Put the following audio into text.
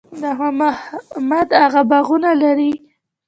د محمد اغه باغونه لري